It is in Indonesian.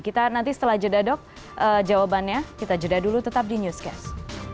kita nanti setelah jeda dok jawabannya kita jeda dulu tetap di newscast